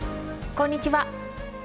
こんにちは。